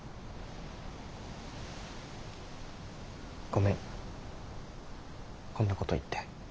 ごめんこんなこと言って。